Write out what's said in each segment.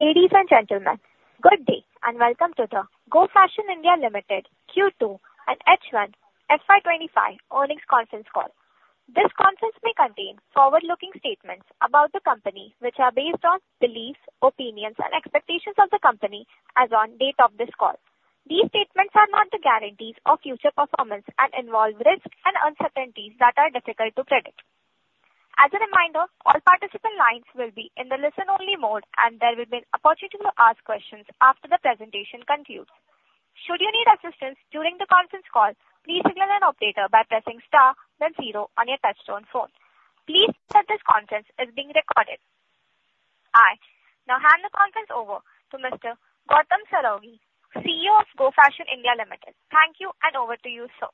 Ladies and gentlemen, good day, and welcome to the Go Fashion India Limited Q2 and H1 FY twenty-five earnings conference call. This conference may contain forward-looking statements about the company, which are based on beliefs, opinions, and expectations of the company as on date of this call. These statements are not the guarantees of future performance and involve risks and uncertainties that are difficult to predict. As a reminder, all participant lines will be in the listen-only mode, and there will be an opportunity to ask questions after the presentation concludes. Should you need assistance during the conference call, please signal an operator by pressing star, then zero on your touchtone phone. Please note that this conference is being recorded. I now hand the conference over to Mr. Gautam Saraogi, CEO of Go Fashion India Limited. Thank you, and over to you, sir.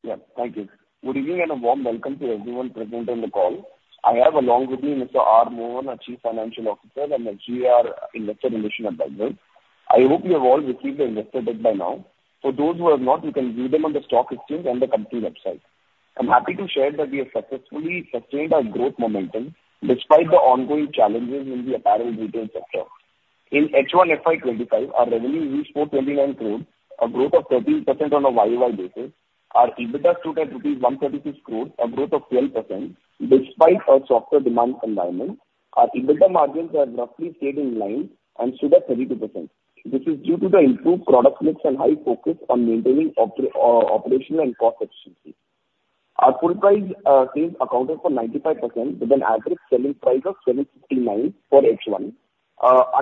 Yes, thank you. Good evening, and a warm welcome to everyone presenting on the call. I have along with me Mr. R. Mohan, our Chief Financial Officer, and the SGA Investor Relations Advisor. I hope you have all received the investor deck by now. For those who have not, you can view them on the stock exchange and the company website. I'm happy to share that we have successfully sustained our growth momentum despite the ongoing challenges in the apparel retail sector. In H1 FY 2025, our revenue reached 429 crores, a growth of 13% on a YoY basis. Our EBITDA stood at rupees 136 crores, a growth of 12% despite a softer demand environment. Our EBITDA margins have roughly stayed in line and stood at 32%, which is due to the improved product mix and high focus on maintaining operation and cost efficiency. Our full price sales accounted for 95%, with an average selling price of 759 for H1.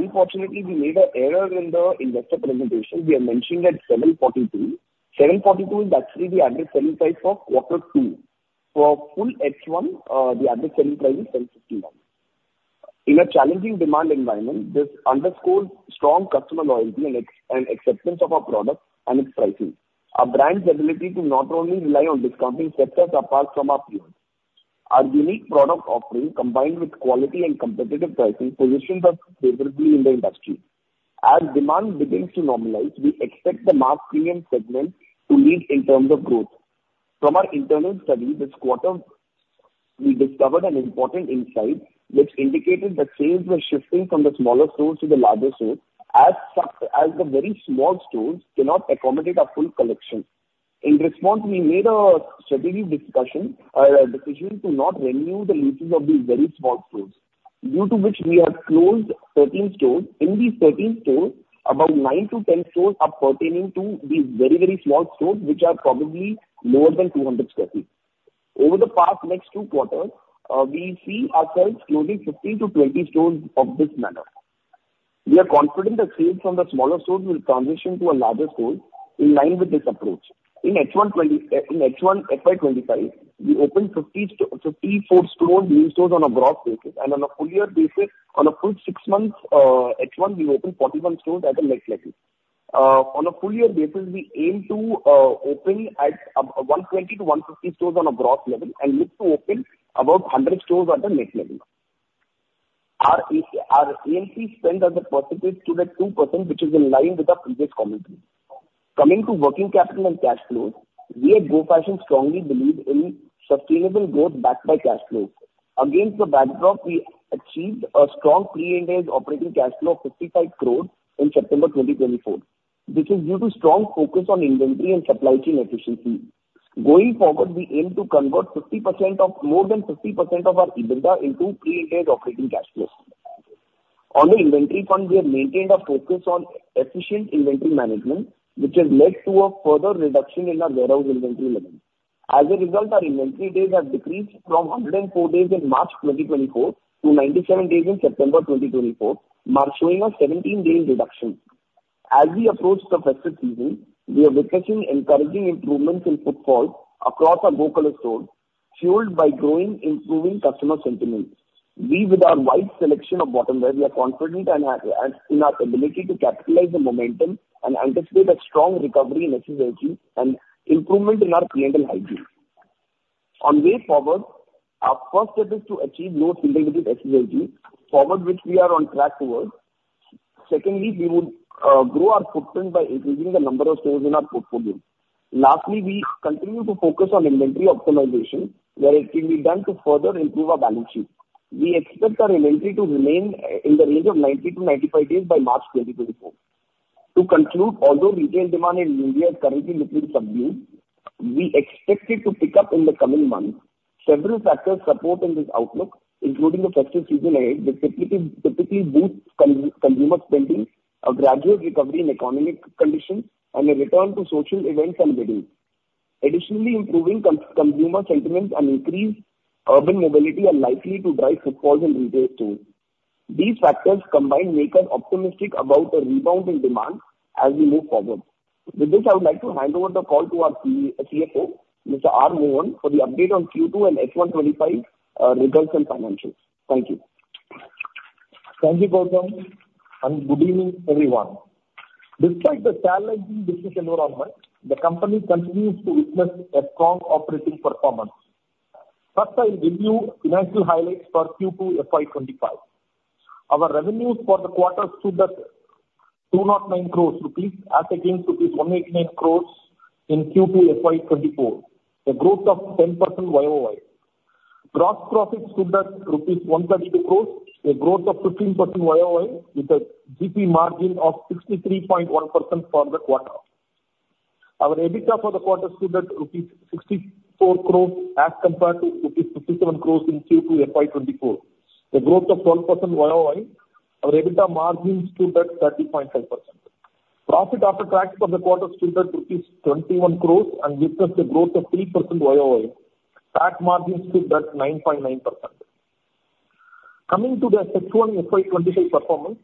Unfortunately, we made an error in the investor presentation. We are mentioning at 742. 742 is actually the average selling price for quarter two. For full H1, the average selling price is 759. In a challenging demand environment, this underscores strong customer loyalty and excellent acceptance of our product and its pricing. Our brand's ability to not only rely on discounting sets us apart from our peers. Our unique product offering, combined with quality and competitive pricing, positions us favorably in the industry. As demand begins to normalize, we expect the mass premium segment to lead in terms of growth. From our internal study this quarter, we discovered an important insight, which indicated that sales were shifting from the smaller stores to the larger stores, as the very small stores cannot accommodate our full collection. In response, we made a strategic decision to not renew the leases of these very small stores, due to which we have closed 13 stores. In these 13 stores, about 9-10 stores are pertaining to these very, very small stores, which are probably lower than 200 sq ft. Over the past next two quarters, we see ourselves closing 15-20 stores of this manner. We are confident that sales from the smaller stores will transition to a larger store in line with this approach. In H1 FY 2025, we opened 54 stores, new stores on a gross basis, and on a full year basis, on a full six months, H1, we opened 41 stores at the net level. On a full year basis, we aim to open 120 to 150 stores on a gross level and look to open about 100 stores at the net level. Our A&P, our A&P spend as a percentage stood at 2%, which is in line with our previous commentary. Coming to working capital and cash flows, we at Go Fashion strongly believe in sustainable growth backed by cash flows. Against the backdrop, we achieved a strong pre-interest operating cash flow of 55 crores in September 2024, which is due to strong focus on inventory and supply chain efficiency. Going forward, we aim to convert 50% of, more than 50% of our EBITDA into pre-interest operating cash flows. On the inventory front, we have maintained our focus on efficient inventory management, which has led to a further reduction in our warehouse inventory levels. As a result, our inventory days have decreased from 104 days in March 2024 to 97 days in September 2024, mark showing a 17-day reduction. As we approach the festive season, we are witnessing encouraging improvements in footfall across our Go Colors stores, fueled by growing, improving customer sentiment. With our wide selection of bottom wear, we are confident in our ability to capitalize the momentum and anticipate a strong recovery in SSG and improvement in our P&L hygiene. On way forward, our first step is to achieve low single-digit SSG, forward which we are on track towards. Secondly, we would grow our footprint by increasing the number of stores in our portfolio. Lastly, we continue to focus on inventory optimization, where it can be done to further improve our balance sheet. We expect our inventory to remain in the range of 90-95 days by March 2024. To conclude, although retail demand in India is currently looking subdued, we expect it to pick up in the coming months. Several factors supporting this outlook, including the festive season ahead, which typically boosts consumer spending, a gradual recovery in economic conditions, and a return to social events and weddings. Additionally, improving consumer sentiments and increased urban mobility are likely to drive footfalls in retail stores. These factors combined make us optimistic about a rebounding demand as we move forward. With this, I would like to hand over the call to our CFO, Mr. R. Mohan. Mohan, for the update on Q2 and H1 2025 results and financials. Thank you. Thank you, Gautam, and good evening, everyone. Despite the challenging business environment, the company continues to witness a strong operating performance. First, I'll give you financial highlights for Q2 FY 2025. Our revenues for the quarter stood at... 209 crores rupees as against rupees 189 crores in Q2 FY 2024, a growth of 10% YoY. Gross profit stood at 132 crores rupees, a growth of 15% YoY, with a GP margin of 63.1% for the quarter. Our EBITDA for the quarter stood at 64 crores rupees, as compared to 57 crores rupees in Q2 FY 2024, a growth of 12% YoY. Our EBITDA margins stood at 30.5%. Profit after tax for the quarter stood at INR 21 crores, and this is a growth of 3% YoY. Tax margin stood at 9.9%. Coming to the H1 FY 2025 performance,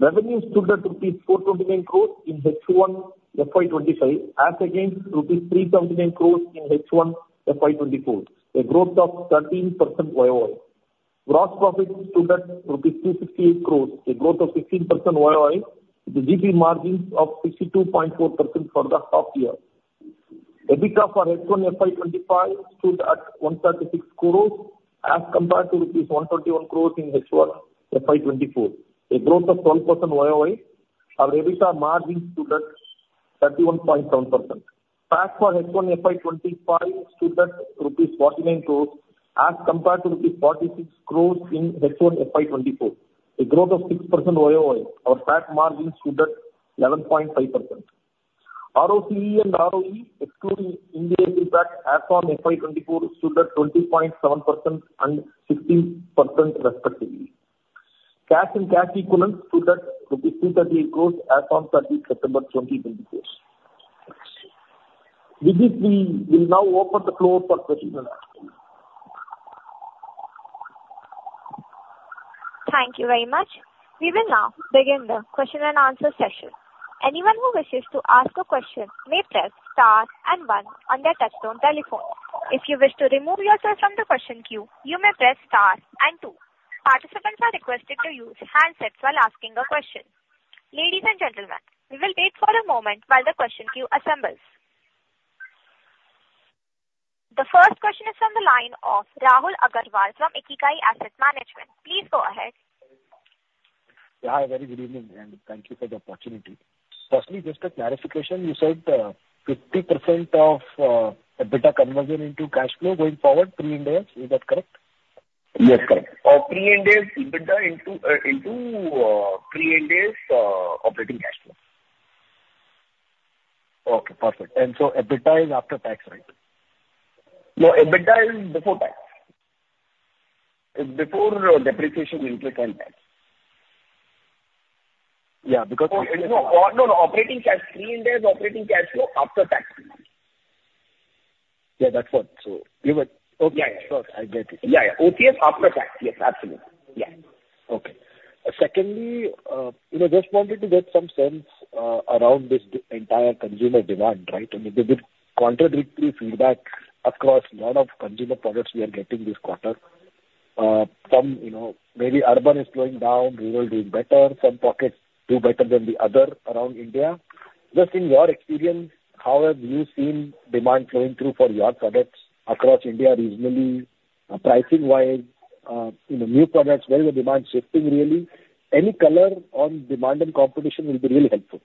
revenues stood at rupees 429 crores in H1 FY 2025, as against rupees 329 crores in H1 FY 2024, a growth of 13% YoY. Gross profit stood at 268 crores, a growth of 15% YoY, with the GP margins of 62.4% for the half year. EBITDA for H1 FY 2025 stood at 136 crores as compared to INR 121 crores in H1 FY 2024, a growth of 12% YoY. Our EBITDA margins stood at 31.7%. Tax for H1 FY 2025 stood at rupees 49 crores as compared to rupees 46 crores in H1 FY 2024, a growth of 6% YoY. Our tax margin stood at 11.5%. ROCE and ROE, excluding India impact, as on FY 2024, stood at 20.7% and 16% respectively. Cash and cash equivalents stood at rupees 238 crores as on 30 September 2024. With this, we will now open the floor for question and answer. Thank you very much. We will now begin the question and answer session. Anyone who wishes to ask a question may press star and one on their touchtone telephone. If you wish to remove yourself from the question queue, you may press star and two. Participants are requested to use handsets while asking a question. Ladies and gentlemen, we will wait for a moment while the question queue assembles. The first question is from the line of Rahul Agarwal from Ikigai Asset Management. Please go ahead. Yeah, very good evening, and thank you for the opportunity. Firstly, just a clarification, you said, 50% of EBITDA conversion into cash flow going forward, pre-interest, is that correct? Yes, correct. Pre-debt EBITDA into pre-debt operating cash flow. Okay, perfect and so EBITDA is after tax, right? No, EBITDA is before tax. Before depreciation, interest, and tax. Yeah, because No, no, no. Operating cash, pre-debt operating cash flow after tax. Yeah, that's what. So you were. Okay. Yeah. Sure, I get it. Yeah, yeah. OCF after tax. Yes, absolutely. Yeah. Okay. Secondly, you know, just wanted to get some sense around this, the entire consumer demand, right? And there's been contradictory feedback across lot of consumer products we are getting this quarter. Some, you know, maybe urban is slowing down, rural doing better, some pockets do better than the other around India. Just in your experience, how have you seen demand flowing through for your products across India, regionally, pricing-wise, you know, new products, where is the demand shifting really? Any color on demand and competition will be really helpful.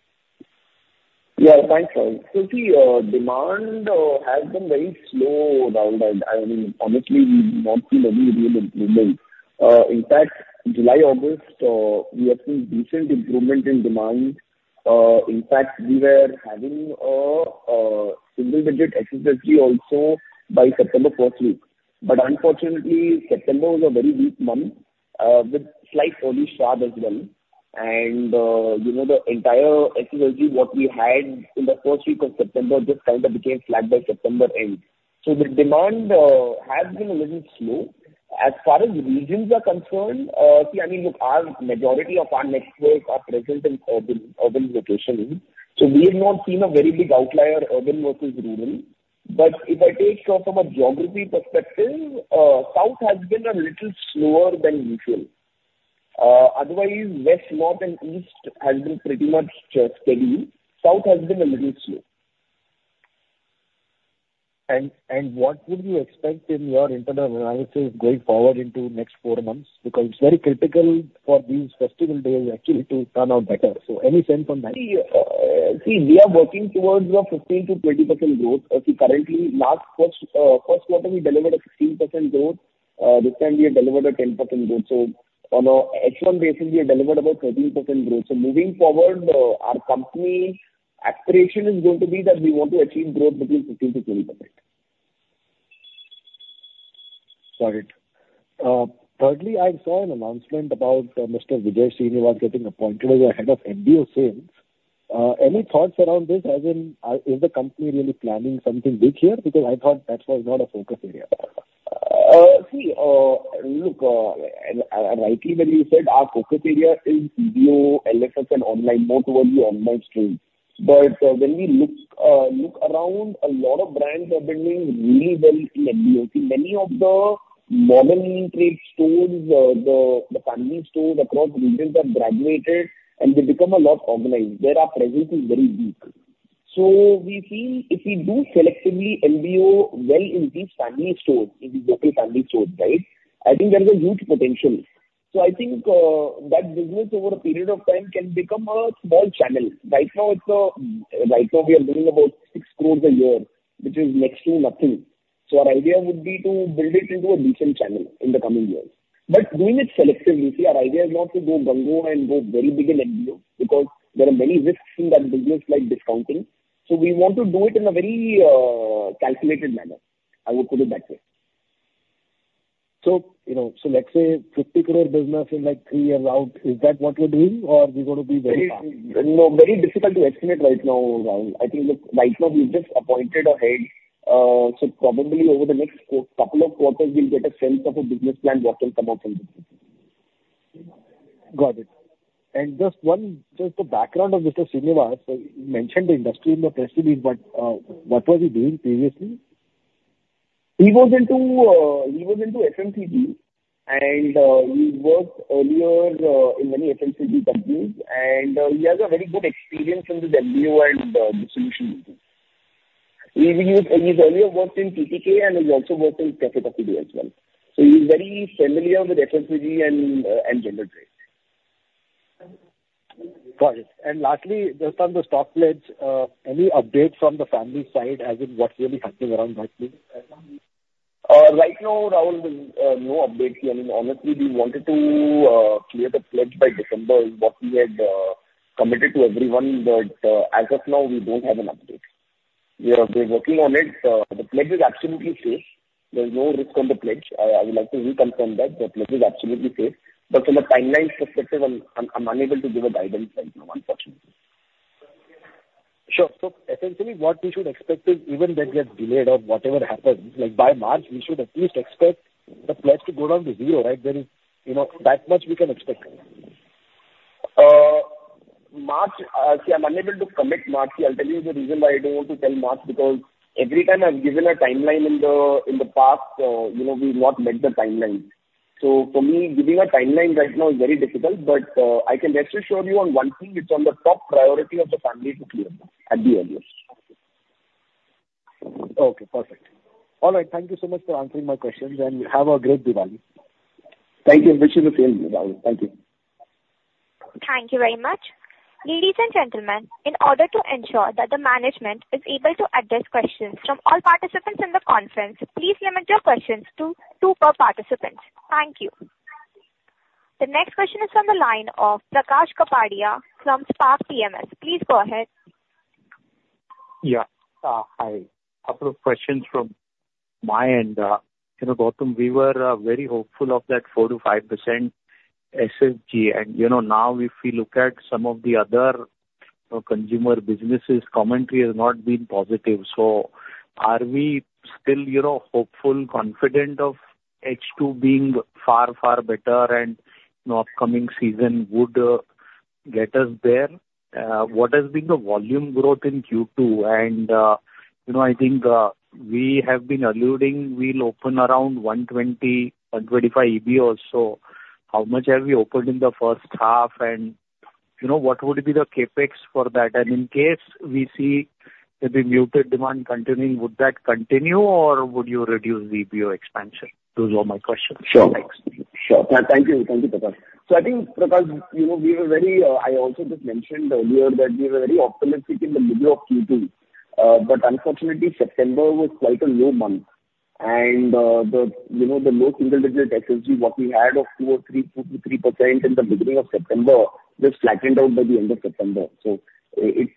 Yeah, thanks, Rahul. So see, demand has been very slowed down, and, I mean, honestly, we've not seen any real improvement. In fact, July, August, we have seen decent improvement in demand. In fact, we were having a single-digit recovery also by September first week. But unfortunately, September was a very weak month, with slight early start as well. And, you know, the entire recovery, what we had in the first week of September, just kind of became flat by September end. So the demand has been a little slow. As far as regions are concerned, see, I mean, look, our majority of our networks are present in urban locations. So we have not seen a very big outlier, urban versus rural. But if I take so from a geography perspective, South has been a little slower than usual. Otherwise, West, North, and East has been pretty much steady. South has been a little slow. What would you expect in your internal analysis going forward into the next four months? Because it's very critical for these festival days actually to turn out better, so any sense on that? See, we are working towards 15%-20% growth. Currently, last first quarter, we delivered 15% growth. This time we have delivered 10% growth. So on a H1 basis, we have delivered about 13% growth. So moving forward, our company aspiration is going to be that we want to achieve growth between 15%-20%. Got it. Thirdly, I saw an announcement about Mr. Vijay Srinivasan getting appointed as a head of MBO sales. Any thoughts around this, as in, is the company really planning something big here? Because I thought that was not a focus area. See, look, rightly when you said our focus area is EBO, LFS, and online, more towards the online stream. But when we look around, a lot of brands are doing really well in MBO. See, many of the modern retail stores, the family stores across regions have graduated, and they become a lot organized. There our presence is very weak. So we feel if we do selectively MBO well in these family stores, in the local family stores, right? I think there is a huge potential. So I think that business over a period of time can become a small channel. Right now, we are doing about 6 crores a year, which is next to nothing. So our idea would be to build it into a decent channel in the coming years. But doing it selectively, you see, our idea is not to go gung-ho and go very big in MBO, because there are many risks in that business, like discounting. So we want to do it in a very calculated manner. I would put it that way. You know, let's say 50 crore business in, like, three years out, is that what you're doing, or you're going to be very No, very difficult to estimate right now, Rahul. I think, look, right now we've just appointed a head, so probably over the next couple of quarters, we'll get a sense of a business plan what will come out from this. Got it. And just one, just the background of Mr. Srinivas. You mentioned the industry in the press release, but, what was he doing previously? He was into FMCG, and he worked earlier in many FMCG companies, and he has a very good experience in the MBO and distribution. He has earlier worked in TTK, and he's also worked in Britannia as well. So he's very familiar with FMCG and general trade. Got it. Lastly, just on the stock pledge, any update from the family side, as in what's really happening around that please? Right now, Rahul, no updates. I mean, honestly, we wanted to clear the pledge by December, what we had committed to everyone, but as of now, we don't have an update. We're working on it. The pledge is absolutely safe. There is no risk on the pledge. I would like to reconfirm that. The pledge is absolutely safe, but from a timeline perspective, I'm unable to give a guidance right now, unfortunately. Sure. So essentially, what we should expect is even that gets delayed or whatever happens, like by March, we should at least expect the pledge to go down to zero, right? There is, you know, that much we can expect. March, see, I'm unable to commit March. I'll tell you the reason why I don't want to tell March, because every time I've given a timeline in the past, you know, we've not met the timeline. So for me, giving a timeline right now is very difficult, but I can reassure you on one thing, it's on the top priority of the family to clear at the earliest. Okay, perfect. All right. Thank you so much for answering my questions, and have a great Diwali. Thank you. And wish you the same, Rahul. Thank you. Thank you very much. Ladies and gentlemen, in order to ensure that the management is able to address questions from all participants in the conference, please limit your questions to two per participant. Thank you. The next question is from the line of Prakash Kapadia from Spark Capital. Please go ahead. Yeah. Hi. A couple of questions from my end. You know, Gautam, we were very hopeful of that 4%-5% SSG, and, you know, now, if we look at some of the other consumer businesses, commentary has not been positive. So are we still, you know, hopeful, confident of H2 being far, far better and, you know, upcoming season would get us there? What has been the volume growth in Q2? And, you know, I think, we have been alluding we'll open around 120 EBOs, 125 EBOs also. How much have you opened in the first half, and, you know, what would be the CapEx for that? And in case we see the muted demand continuing, would that continue or would you reduce the EBO expansion? Those are my questions. Sure. Thanks. Sure. Thank you. Thank you, Prakash. So I think, Prakash, you know, we were very. I also just mentioned earlier that we were very optimistic in the middle of Q2, but unfortunately, September was quite a low month. And the, you know, the low single digit SSG, what we had of two or three, 2%-3% in the beginning of September, just flattened out by the end of September. So it's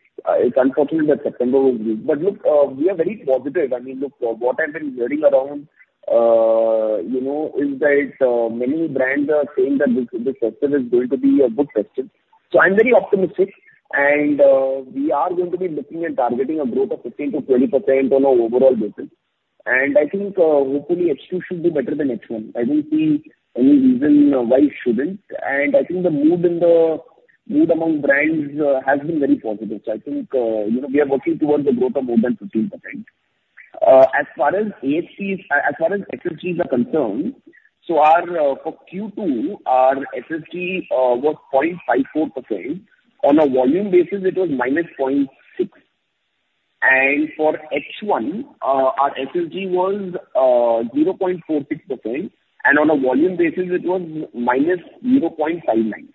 unfortunate that September was weak. But look, we are very positive. I mean, look, what I've been hearing around, you know, is that many brands are saying that this quarter is going to be a good quarter. So I'm very optimistic, and we are going to be looking and targeting a growth of 15%-20% on an overall basis. And I think, hopefully H2 should be better than H1. I don't see any reason why it shouldn't, and I think the mood among brands has been very positive. So I think, you know, we are working towards a growth of more than 15%. As far as ASPs, as far as SSGs are concerned, so our, for Q2, our SSG was 0.54%. On a volume basis, it was -0.6%. And for H1, our SSG was 0.46%, and on a volume basis, it was -0.59%.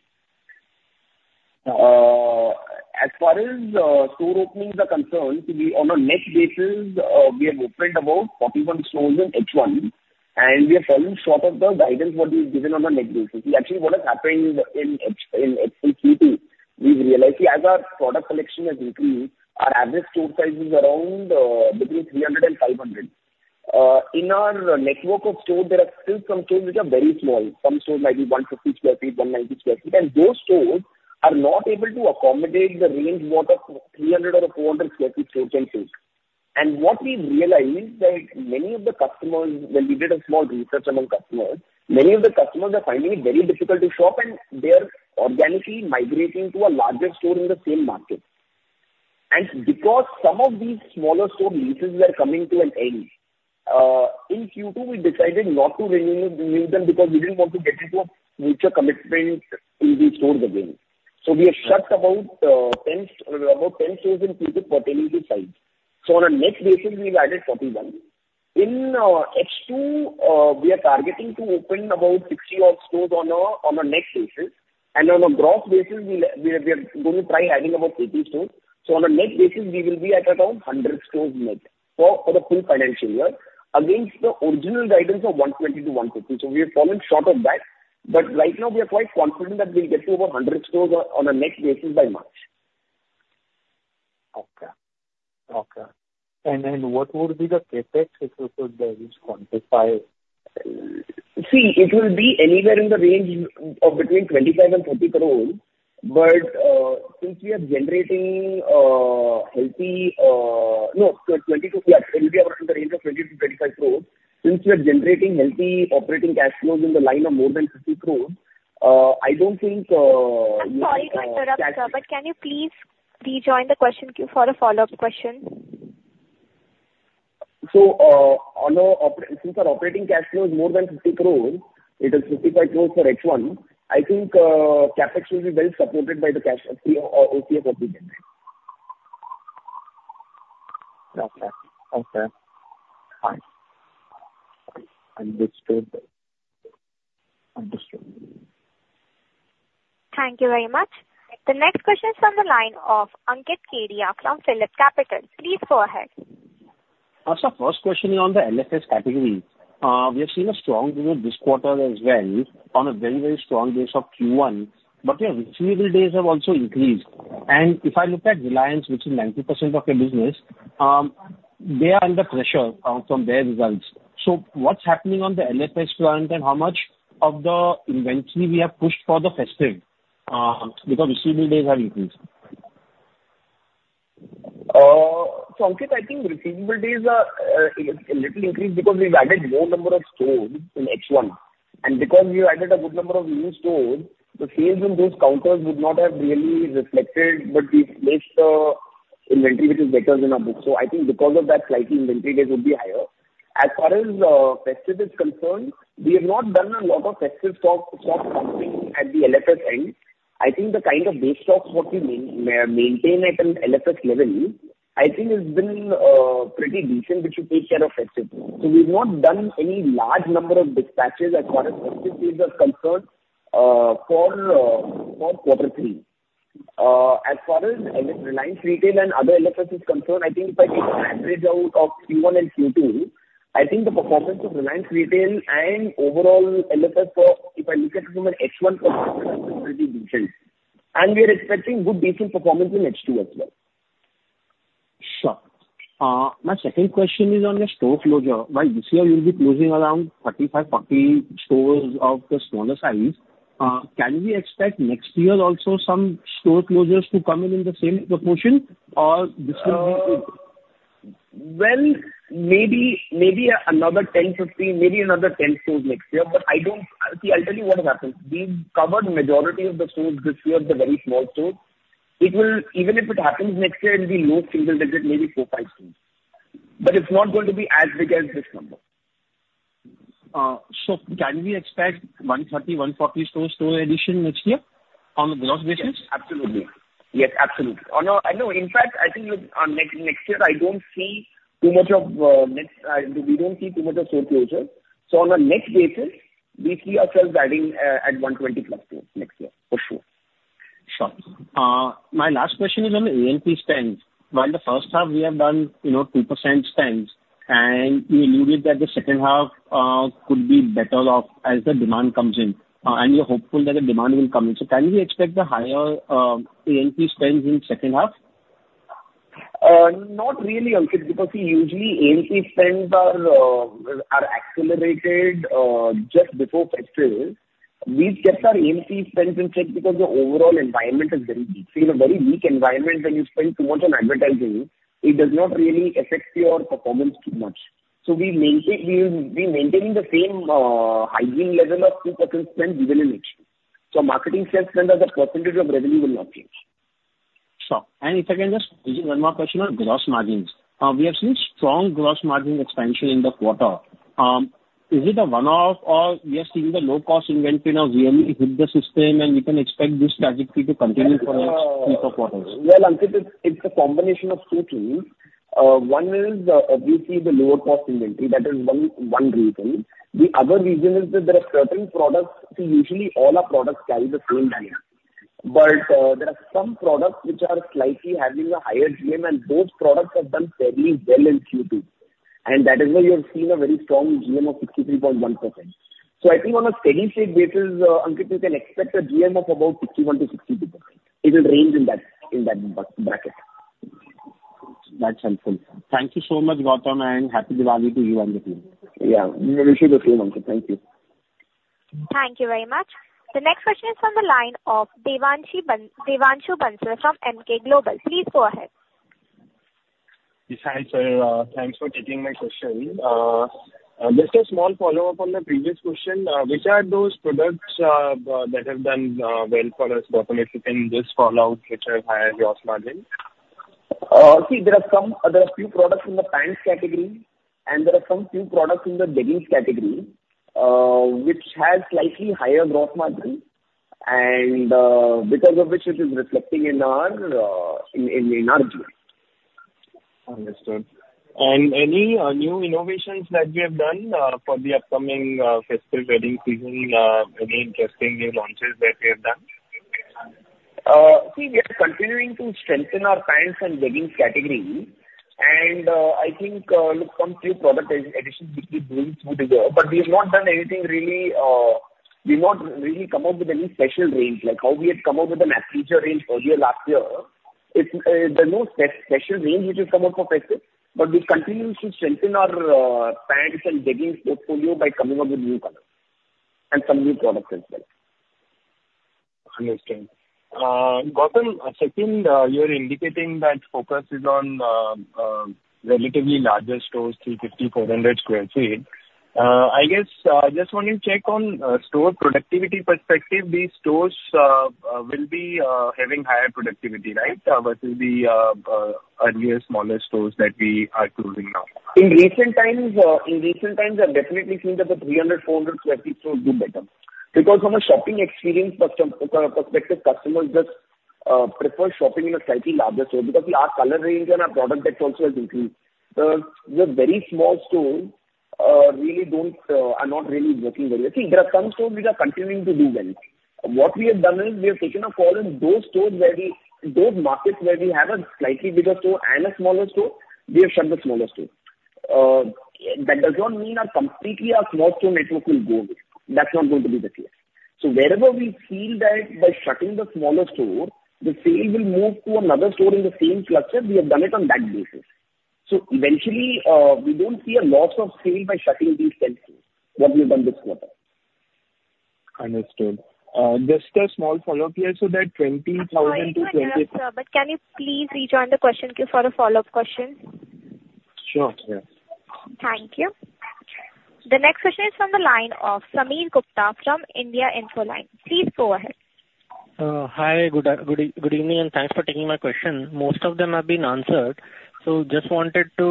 As far as store openings are concerned, we, on a net basis, have opened about 41 stores in H1, and we are falling short of the guidance what we've given on a net basis. Actually, what has happened in H1 in Q2, we've realized as our product collection has increased, our average store size is around between 300 sq ft and 500 sq ft. In our network of stores, there are still some stores which are very small. Some stores might be 150 sq ft, 190 sq ft, and those stores are not able to accommodate the range what a 300 sq ft or a 400 sq ft store can take, and what we've realized that many of the customers, when we did a small research among customers, many of the customers are finding it very difficult to shop, and they are organically migrating to a larger store in the same market, and because some of these smaller store leases were coming to an end. In Q2, we decided not to renew them because we didn't want to get into a future commitment if we store the goods. So we have shut about ten stores in Q2 pertaining to size. So on a net basis, we've added 41. In H2, we are targeting to open about 60-odd stores on a net basis, and on a gross basis, we are going to try adding about 50 stores. So on a net basis, we will be at around 100 stores net for the full financial year, against the original guidance of 120 sq ft-150 sq ft. So we have fallen short of that, but right now we are quite confident that we'll get to over 100 stores on a net basis by March. Okay. Okay. And what would be the CapEx, if you could, quantify? See, it will be anywhere in the range of between 25 crores and 30 crores, but, since we are generating healthy No, 22 crores, yeah, it will be around in the range of 20-25 crores, since we are generating healthy operating cash flows in the line of more than 50 crores, I don't think, cash- I'm sorry to interrupt, sir, but can you please rejoin the question queue for a follow-up question? Since our operating cash flow is more than 50 crores, it is 55 crores for H1, I think. CapEx will be well supported by the cash OCF or OCF of the business. Okay. Okay. Fine. Understood. Understood. Thank you very much. The next question is from the line of Ankit Kedia from Phillip Capital. Please go ahead. So first question is on the LFS category. We have seen a strong growth this quarter as well on a very, very strong base of Q1, but your receivable days have also increased. And if I look at Reliance, which is 90% of your business, they are under pressure from their results. So what's happening on the LFS front, and how much of the inventory we have pushed for the festive, because receivable days have increased? So Ankit, I think receivable days are a little increased because we've added more number of stores in H1, and because we added a good number of new stores, the sales in those counters would not have really reflected, but we've placed inventory which is better than our books. So I think because of that, slightly inventory days would be higher. As far as festive is concerned, we have not done a lot of festive stock pumping at the LFS end. I think the kind of base stocks what we maintain at an LFS level has been pretty decent, which will take care of festive. So we've not done any large number of dispatches as far as festive days are concerned for quarter three. As far as Reliance Retail and other LFS is concerned, I think if I take an average out of Q1 and Q2, I think the performance of Reliance Retail and overall LFS for, if I look at it from an H1 perspective, pretty decent, and we are expecting good, decent performance in H2 as well. Sure. My second question is on the store closure. While this year you'll be closing around thirty-five, forty stores of the smaller size, can we expect next year also some store closures to come in, in the same proportion, or this will be it? Well, maybe, maybe another 10 stores, 15 stores, maybe another 10 stores next year, but I don't see. I'll tell you what has happened. We've covered majority of the stores this year, the very small stores. It will, even if it happens next year, it'll be low single digit, maybe four, five stores, but it's not going to go to be as big as this number. So, can we expect 130 stores-140 store additions next year on the gross basis? Yes, absolutely. Yes, absolutely. In fact, I think next year we don't see too much of store closure. So on a net basis, we see ourselves adding 120+ stores next year for sure. Sure. My last question is on the A&P spends. While in the first half we have done, you know, 2% spends, and you alluded that the second half could be better off as the demand comes in, and you're hopeful that the demand will come in. So can we expect the higher A&P spends in second half? Not really, Ankit, because see, usually A&P spends are accelerated just before festive. We've kept our A&P spends in check because the overall environment is very weak. So in a very weak environment, when you spend too much on advertising, it does not really affect your performance too much. So we're maintaining the same hygiene level of 2% spend even in next year. So marketing sales spend as a percentage of revenue will not change. Sure. And if I can just, one more question on gross margins. We have seen strong gross margin expansion in the quarter. Is it a one-off or we are seeing the low-cost inventory now really hit the system and we can expect this trajectory to continue for next few quarters? Ankit, it's a combination of two things. One is obviously the lower cost inventory. That is one reason. The other reason is that there are certain products. See, usually all our products carry the same GM, but there are some products which are slightly having a higher GM, and those products have done fairly well in Q2, and that is why you have seen a very strong GM of 63.1%. So I think on a steady-state basis, Ankit, you can expect a GM of about 61%-62%. It will range in that bracket. That's helpful. Thank you so much, Gautam, and Happy Diwali to you and the team. Yeah, we wish you the same, Ankit. Thank you. Thank you very much. The next question is from the line of Devanshu Bansal from Emkay Global. Please go ahead. Yes, hi, sir, thanks for taking my question. Just a small follow-up on the previous question. Which are those products that have done well for us, Gautam, if you can, this quarter, which have higher gross margin? See, there are few products in the pants category, and there are few products in the leggings category, which has slightly higher gross margin, and because of which it is reflecting in our view. Understood. And any new innovations that we have done for the upcoming festive wedding season, any interesting new launches that we have done? See, we are continuing to strengthen our pants and leggings category, and I think look some few product additions which we bring through there, but we've not done anything really, we've not really come up with any special range, like how we had come up with the range earlier last year. It's, there's no special range which is come up for festive, but we continue to strengthen our pants and leggings portfolio by coming up with new colors and some new products as well. Understood. Gautam, second, you're indicating that focus is on relatively larger stores, 350 sq ft-400 sq ft. I guess, just want to check on store productivity perspective. These stores will be having higher productivity, right? Versus the earlier smaller stores that we are closing now. In recent times, I've definitely seen that the 300 sq ft-400 sq ft stores do better. Because from a shopping experience perspective, customers just prefer shopping in a slightly larger store, because our color range and our product mix also has increased. The very small stores really don't are not really working very well. See, there are some stores which are continuing to do well. What we have done is, we have taken a call in those markets where we have a slightly bigger store and a smaller store, we have shut the smaller store. That does not mean that completely our small store network will go away. That's not going to be the case. So wherever we feel that by shutting the smaller store, the sale will move to another store in the same cluster, we have done it on that basis. So eventually, we don't see a loss of sale by shutting these small stores, what we've done this quarter. Understood. Just a small follow-up here, so that twenty thousand to twenty Sorry to interrupt, sir, but can you please rejoin the question queue for a follow-up question? Sure, yes. Thank you. The next question is from the line of Sameer Gupta from India Infoline. Please go ahead. Hi, good evening, and thanks for taking my question. Most of them have been answered, so just wanted to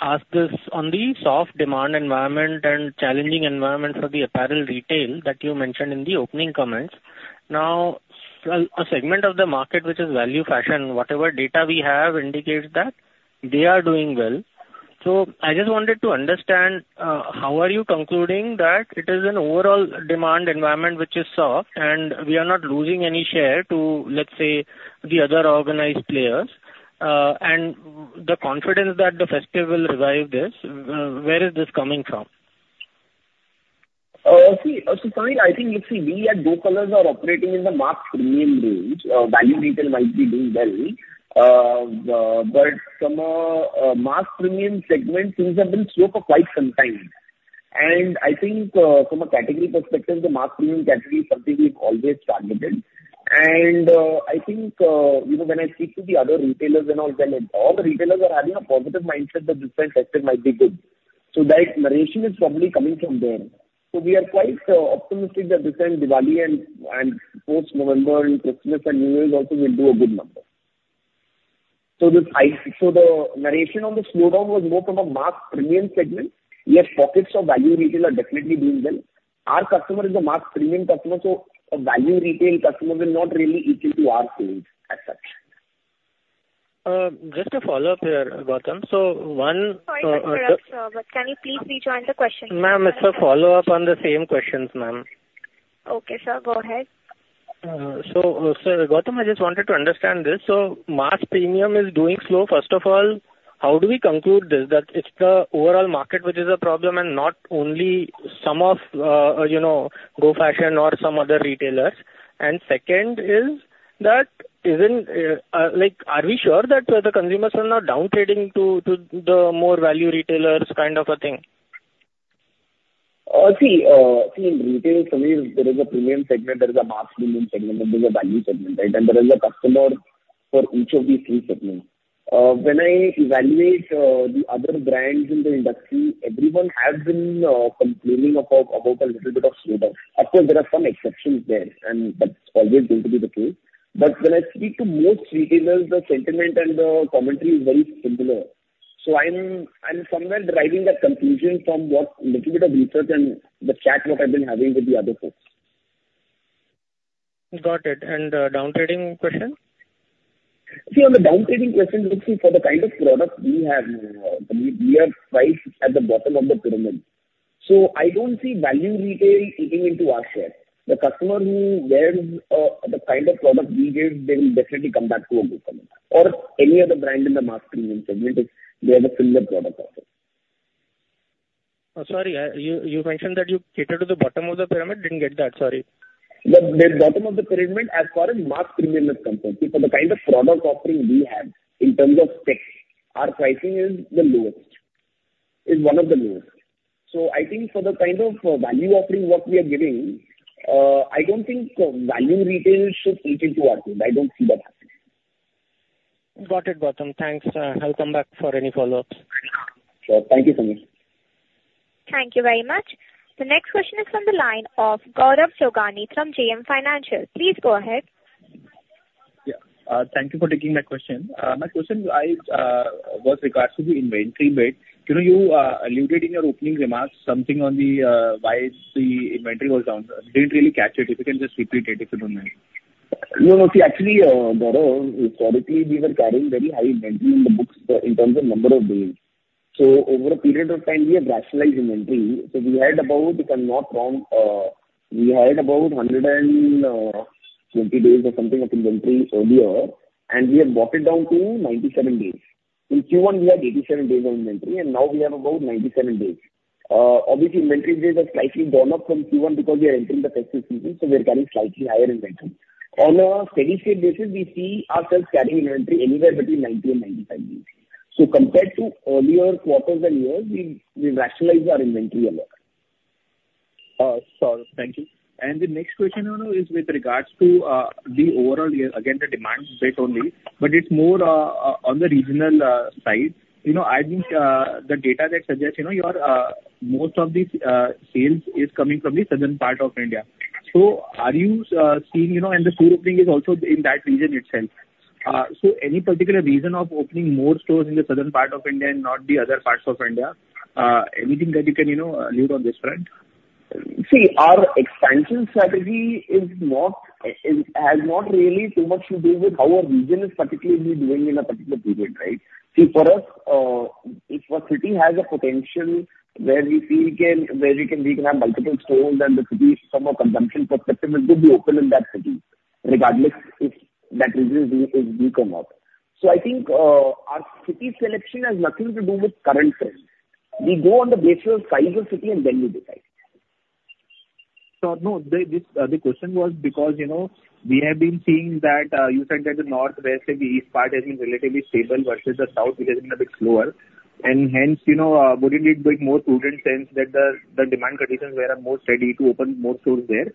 ask this. On the soft demand environment and challenging environment for the apparel retail that you mentioned in the opening comments, now, a segment of the market which is value fashion, whatever data we have indicates that they are doing well. So I just wanted to understand how are you concluding that it is an overall demand environment which is soft, and we are not losing any share to, let's say, the other organized players, and the confidence that the festive will revive this, where is this coming from? See, so Sameer, I think you see, we at Go Colors are operating in the mass premium range. Value retail might be doing well, but from a mass premium segment, things have been slow for quite some time. I think, from a category perspective, the mass premium category is something we've always targeted. I think, you know, when I speak to the other retailers and all, then all the retailers are having a positive mindset that this time festive might be good. That narration is probably coming from there. We are quite optimistic that this time, Diwali and post-November, and Christmas and New Year's also will do a good number. The narration on the slowdown was more from a mass premium segment, yet pockets of value retail are definitely doing well. Our customer is a Mass Premium customer, so a value retail customer will not really equal to our sales as such. Just a follow-up here, Gautam. So one, Sorry to interrupt, sir, but can you please rejoin the question? Ma'am, it's a follow-up on the same questions, ma'am. Okay, sir, go ahead. Gautam, I just wanted to understand this. So Mass Premium is doing slow. First of all, how do we conclude this, that it's the overall market which is a problem and not only some of, you know, Go Fashion or some other retailers? And second is that, isn't, like, are we sure that the consumers are not down-trading to the more value retailers kind of a thing? See, in retail, Sameer, there is a premium segment, there is a mass premium segment, and there's a value segment, right? And there is a customer for each of these three segments. When I evaluate the other brands in the industry, everyone has been complaining about a little bit of slowdown. Of course, there are some exceptions there, and that's always going to be the case. But when I speak to most retailers, the sentiment and the commentary is very similar. So I'm somewhere deriving that conclusion from what little bit of research and the chat what I've been having with the other folks. Got it. And, down-trading question? See, on the down-trading question, for the kind of product we have, we are priced at the bottom of the pyramid. So I don't see value retail eating into our share. The customer who wears the kind of product we give, they will definitely come back to a Go Colors or any other brand in the mass premium segment, if they have a similar product offering. Sorry, you mentioned that you cater to the bottom of the pyramid. Didn't get that, sorry. The bottom of the pyramid as far as mass premium is concerned, because the kind of product offering we have in terms of specs, our pricing is the lowest, is one of the lowest. So I think for the kind of value offering what we are giving, I don't think value retail should eat into our food. I don't see that happening. Got it, Gautam. Thanks. I'll come back for any follow-ups. Sure. Thank you, Sameer. Thank you very much. The next question is from the line of Gaurav Jogani from JM Financial. Please go ahead. Yeah. Thank you for taking my question. My question was regards to the inventory bit. You know, you alluded in your opening remarks something on the why the inventory was down. Didn't really catch it. If you can just repeat it, if you don't mind. No, see, actually, Gaurav, historically, we were carrying very high inventory in the books, in terms of number of days. So over a period of time, we have rationalized inventory. So we had about, if I'm not wrong, we had about 120 days or something of inventory earlier, and we have brought it down to 97 days. In Q1, we had 87 days of inventory, and now we have about 97 days. Obviously, inventory days have slightly gone up from Q1 because we are entering the festive season, so we are carrying slightly higher inventory. On a steady state basis, we see ourselves carrying inventory anywhere between 90 days and 95 days. So compared to earlier quarters and years, we rationalized our inventory a lot. Sorry. Thank you. And the next question, you know, is with regards to the overall, again, the demand bit only, but it's more on the regional side. You know, I think the data that suggests, you know, your most of the sales is coming from the southern part of India. So are you seeing, you know, and the store opening is also in that region itself. So any particular reason of opening more stores in the southern part of India and not the other parts of India? Anything that you can, you know, allude on this front? See, our expansion strategy has not really so much to do with how a region is particularly doing in a particular period, right? See, for us, if a city has a potential where we feel we can have multiple stores and the city's from a consumption perspective, we could be open in that city, regardless if that region is weak or not. So I think, our city selection has nothing to do with current trends. We go on the basis of size of city, and then we decide. So, no, the question was because, you know, we have been seeing that, you know, you said that the North, West, and the East has been relatively stable versus the South, which has been a bit slower, and hence, you know, wouldn't it make more prudent sense that the demand conditions are more steady to open more stores there?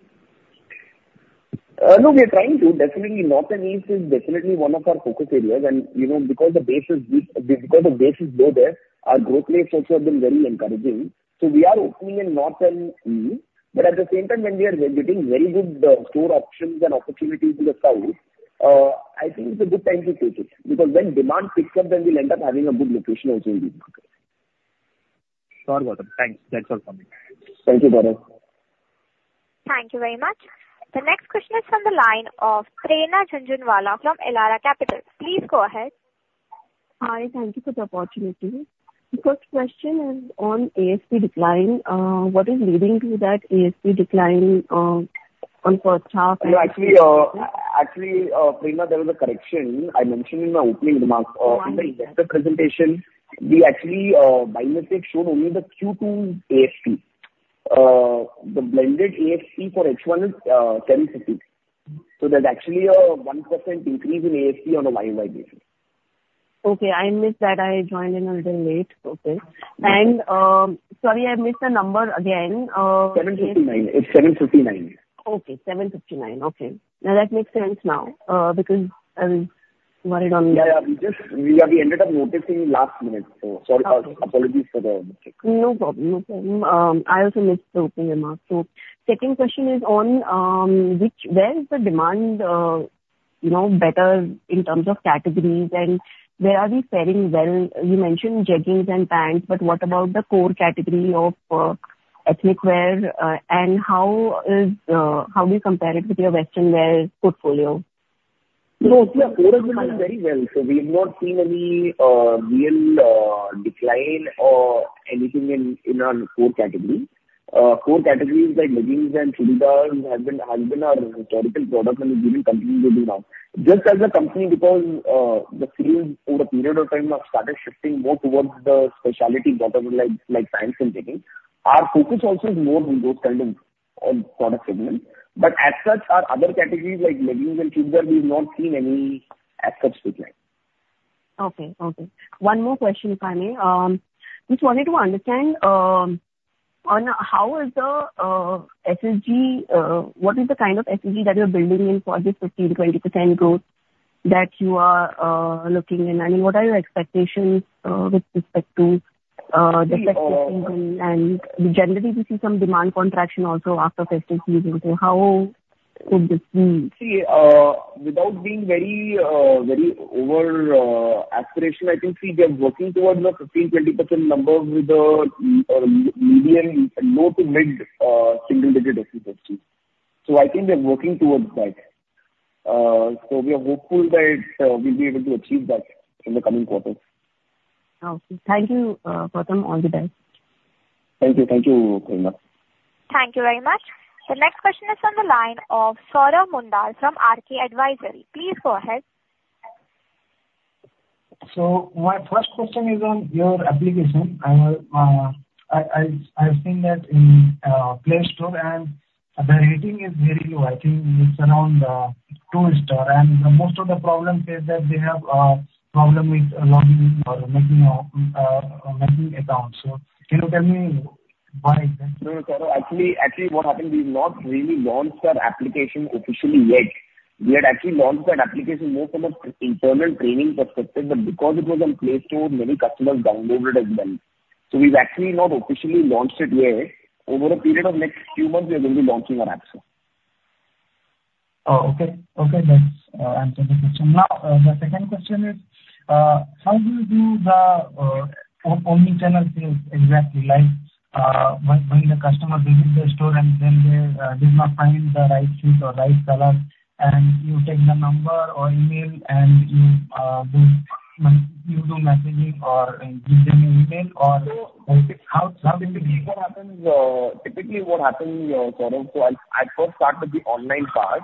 No, we are trying to. Definitely, North and East is definitely one of our focus areas, and you know, because the base is big, because the base is low there, our growth rates also have been very encouraging, so we are opening in North and East, but at the same time, when we are getting very good store options and opportunities in the South, I think it's a good time to take it, because when demand picks up, then we'll end up having a good location also in the market. Sure, Gautam. Thanks. That's all for me. Thank you, Gaurav. Thank you very much. The next question is from the line of Prerna Jhunjhunwala from Elara Capital. Please go ahead. Hi, thank you for the opportunity. The first question is on ASP decline. What is leading to that ASP decline, on for top No, actually, actually, Prerna, there was a correction I mentioned in my opening remarks. Right. In the investor presentation, we actually, by mistake, showed only the Q2 ASP. The blended ASP for H1 is 1,050. So there's actually a 1% increase in ASP on a year-by-year basis. Okay, I missed that. I joined in a little late. Okay. And, sorry, I missed the number again. 7:59. It's 7:59. Okay, 7:59. Okay. Now, that makes sense now, because I'm worried on the- Yeah, yeah. We just ended up noticing last minute, so sorry. Okay. Apologies for the mistake. No problem. No problem. I also missed the opening remarks. So second question is on which... where is the demand, you know, better in terms of categories? And where are we faring well? You mentioned jeggings and pants, but what about the core category of ethnic wear? And how do you compare it with your western wear portfolio? No, see, our core is doing very well, so we've not seen any real decline or anything in our core category. Core categories like leggings and churidar has been our historical product, and we will continue to do well. Just as a company, because the sales over a period of time have started shifting more towards the specialty bottom end, like pants and jeggings, our focus also is more on those kind of product segments. But as such, our other categories, like leggings and churidar, we've not seen any as such decline. Okay. One more question, if I may. Just wanted to understand on how is the SSG, what is the kind of SSG that you're building in for this 15%-20% growth that you are looking in? I mean, what are your expectations with respect to the festive season? And generally, we see some demand contraction also after festive season. So how could this be? See, without being very, very overly aspirational, I think we are working towards the 15%-20% numbers with the medium low to mid single digit SSG. So I think we are working towards that. So we are hopeful that we'll be able to achieve that in the coming quarters. Okay. Thank you, Gautam. All the best. Thank you, thank you, Prerna. Thank you very much. The next question is from the line of Saurabh Munda from RK Advisory. Please go ahead. So my first question is on your application. I've seen that in Play Store, and the rating is very low. I think it's around two star, and most of the problem says that they have problem with logging in or making accounts. So can you tell me No, actually, what happened is we've not really launched our application officially yet. We had actually launched that application more from an internal training perspective, but because it was on Play Store, many customers downloaded as well. So we've actually not officially launched it yet. Over a period of next few months, we are going to be launching our app soon. Oh, okay. Okay, that's answered the question. Now, the second question is, how do you do the omni-channel sales exactly? Like, when the customer visits the store and then they did not find the right fit or right color, and you take the number or email and you do messaging or give them an email or how did it happen? Typically, what happens, Saroj, so I'll, I first start with the online part.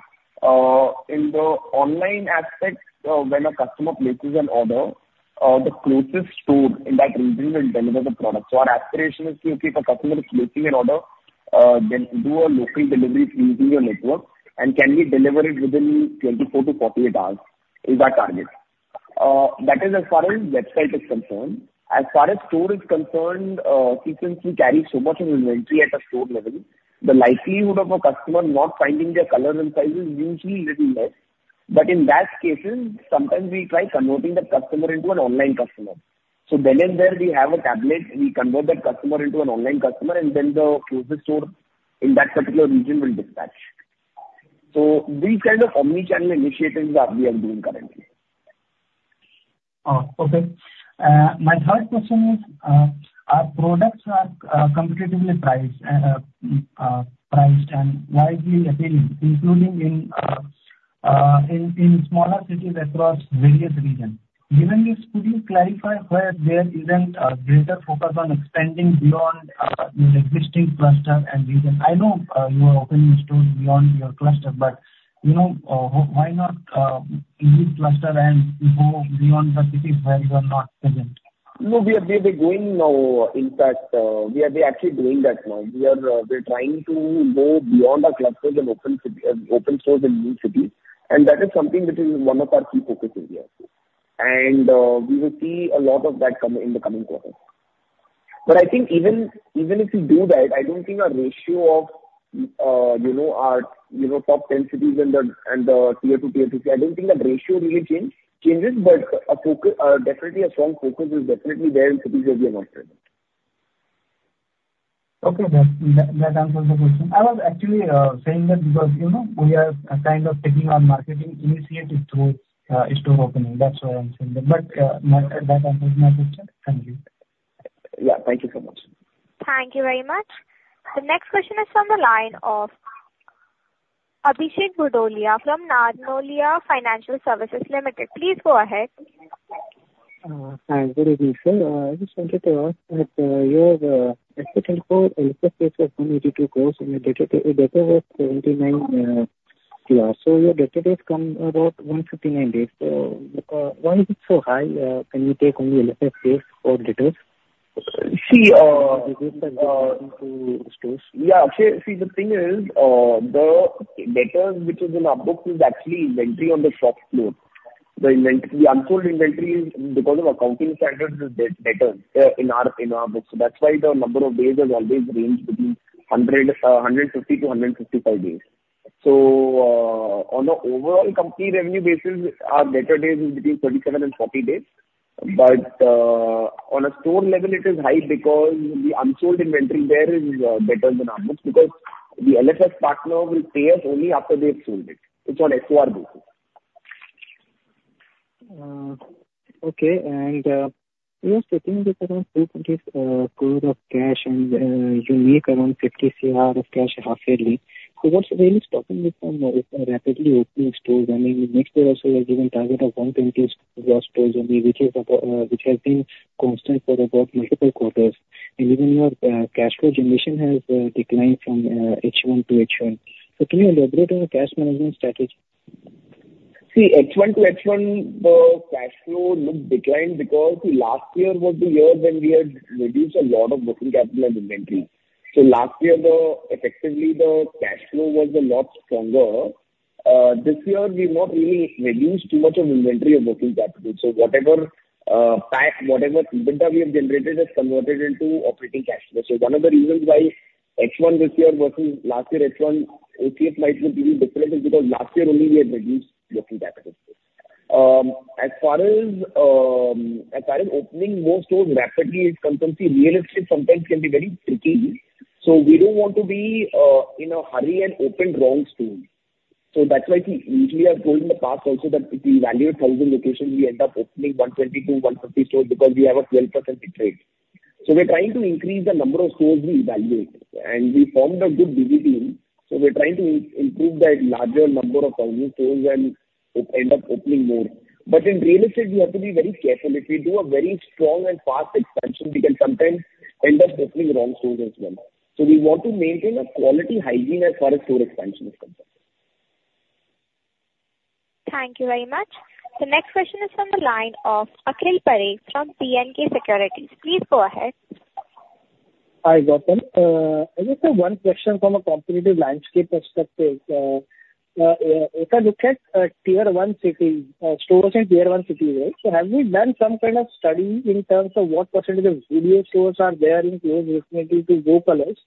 In the online aspect, when a customer places an order, the closest store in that region will deliver the product. So our aspiration is to, if a customer is placing an order, then do a local delivery through your network, and can we deliver it within 24-48 hours, is our target. That is as far as website is concerned. As far as store is concerned, since we carry so much of inventory at a store level, the likelihood of a customer not finding their color and size is usually little less. But in that cases, sometimes we try converting the customer into an online customer. So then and there, we have a tablet, we convert that customer into an online customer, and then the closest store in that particular region will dispatch. So these kind of omni-channel initiatives is what we are doing currently. Oh, okay. My third question is, our products are competitively priced and widely appealing, including in smaller cities across various regions. Even if could you clarify where there isn't a greater focus on expanding beyond the existing cluster and region. I know you are opening stores beyond your cluster, but, you know, why not in each cluster and go beyond the cities where you are not present? No, we are going now. In fact, we are actually doing that now. We are trying to go beyond our clusters and open stores in new cities, and that is something which is one of our key focus areas, and we will see a lot of that come in the coming quarters, but I think even if you do that, I don't think our ratio of, you know, our, you know, top ten cities and the tier two, tier three. I don't think that ratio really changes, but a focus, definitely a strong focus is definitely there in cities where we are not present. Okay, that answers the question. I was actually saying that because, you know, we are kind of taking on marketing initiatives through store opening. That's why I'm saying that. But, that answers my question. Thank you. Yeah. Thank you so much. Thank you very much. The next question is from the line of Abhishek Budholia from Narnolia Financial Services Limited. Please go ahead. Hi, good evening, sir. I just wanted to ask that your inventory INR 82 crores and your debtor was INR 79 crores. So your debtor days come about 159 days. So, why is it so high? Can you take only 60 days or debtors? See, uh- Because to stores. Yeah, actually, see, the thing is, the debtors, which is in our books, is actually inventory on the shop floor. The unsold inventory is because of accounting standards, is debtor in our books. So that's why the number of days has always ranged between 150 days to 155 days. So, on the overall company revenue basis, our debtor days is between 27 days and 40 days. But, on a store level, it is high because the unsold inventory there is booked in our books, because the LFS partner will pay us only after they have sold it. It's on SOR basis. Okay. You were speaking with around 200 crore of cash and you make around 50 crore of cash half-yearly. So what's really stopping you from rapidly opening stores? I mean, next year also, you have given target of 120 crore gross stores only, which has been constant for about multiple quarters. Even your cash flow generation has declined from H1 to H1. So can you elaborate on the cash management strategy? See, H1 to H1, the cash flow looked declined because last year was the year when we had reduced a lot of working capital and inventory. So last year, effectively, the cash flow was a lot stronger. This year we've not really reduced too much of inventory or working capital. So whatever EBITDA we have generated is converted into operating cash flow. So one of the reasons why H1 this year versus last year H1, OCF might look really different is because last year only we had reduced working capital. As far as opening more stores rapidly is concerned, see, real estate sometimes can be very tricky. So we don't want to be in a hurry and open wrong stores. That's why, see, usually I've told in the past also that if we evaluate 1,000 locations, we end up opening 120 stores to 150 stores because we have a 12% interest. We're trying to increase the number of stores we evaluate, and we formed a good business team. We're trying to improve that larger number of stores and end up opening more. But in real estate, we have to be very careful. If we do a very strong and fast expansion, we can sometimes end up opening wrong stores as well. We want to maintain a quality hygiene as far as store expansion is concerned. Thank you very much. The next question is from the line of Akhil Parekh from Centrum Broking. Please go ahead. Hi, Gautam. I just have one question from a competitive landscape perspective. If I look at Tier 1 city stores in Tier 1 cities, right? So have we done some kind of study in terms of what percentage of Jio stores are there in close vicinity to Go Colors?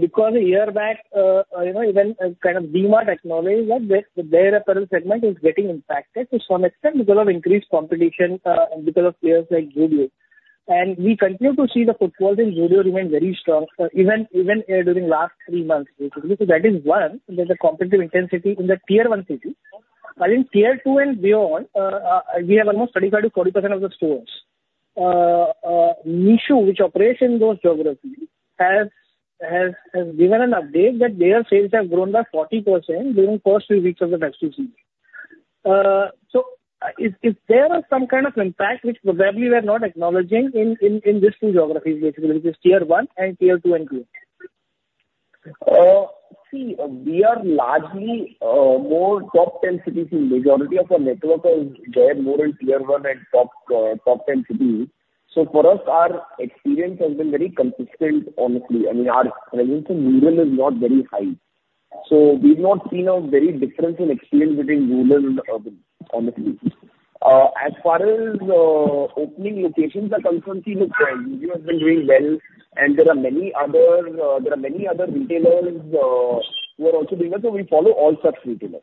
Because a year back, you know, even kind of DMart acknowledged that their apparel segment is getting impacted to some extent because of increased competition and because of players like Jio, and we continue to see the footfall in Jio remain very strong, even during last three months, basically. So that is one. There's a competitive intensity in the Tier 1 city, but in Tier 2 and beyond, we have almost 35%-40% of the stores. Meesho, which operates in those geographies, has given an update that their sales have grown by 40% during first three weeks of the festival season. So is there some kind of impact which probably we are not acknowledging in these two geographies, basically, which is Tier 1 and Tier 2 and 3? See, we are largely more top ten cities. Majority of our network is there more in tier one and top ten cities. So for us, our experience has been very consistent, honestly. I mean, our presence in rural is not very high. So we've not seen a very difference in experience between rural and urban, honestly. As far as opening locations are concerned, see, look, Jio has been doing well, and there are many other retailers who are also doing well, so we follow all such retailers.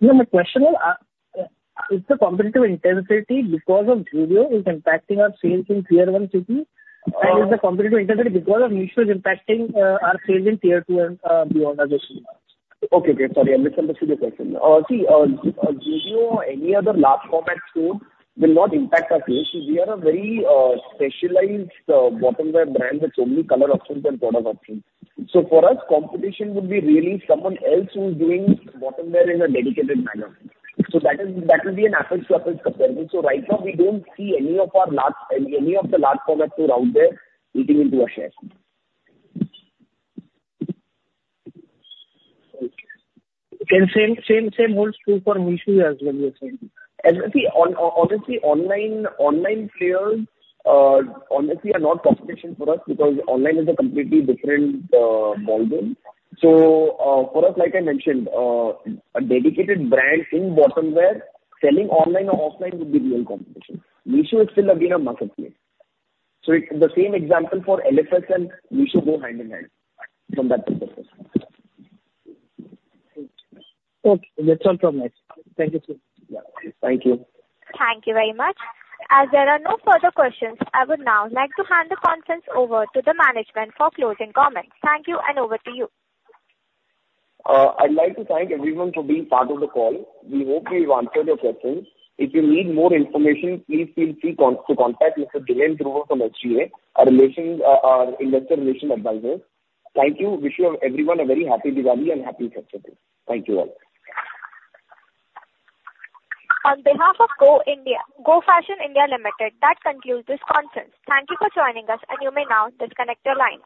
No, my question is, is the competitive intensity because of Jio is impacting our sales in Tier 1 city? Uh- Is the competitive intensity because of Meesho is impacting our sales in Tier 2 and beyond as I said? Okay, okay, sorry, I misunderstood the question. See, Jio or any other large format store will not impact our sales. We are a very specialized bottom-wear brand with so many color options and product options. So for us, competition would be really someone else who is doing bottom-wear in a dedicated manner. So that is, that will be an apples-to-apples comparison. So right now, we don't see any of the large format stores out there eating into our shares. Okay. Then same, same, same holds true for Meesho as well, you're saying? As I see, honestly, online players are not competition for us, because online is a completely different ballgame. So, for us, like I mentioned, a dedicated brand in bottom-wear, selling online or offline would be real competition. Meesho is still again a marketplace. So it... The same example for LFS and Meesho go hand in hand from that perspective. Okay. That's all from us. Thank you, sir. Yeah. Thank you. Thank you very much. As there are no further questions, I would now like to hand the conference over to the management for closing comments. Thank you, and over to you. I'd like to thank everyone for being part of the call. We hope we've answered your questions. If you need more information, please feel free to contact Mr. Deven Dhruva from SGA, our investor relations advisor. Thank you. Wish you, everyone a very happy Diwali and happy festival. Thank you all. On behalf of Go Fashion India Limited, that concludes this conference. Thank you for joining us, and you may now disconnect your line.